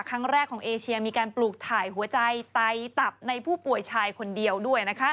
ครั้งแรกของเอเชียมีการปลูกถ่ายหัวใจไตตับในผู้ป่วยชายคนเดียวด้วย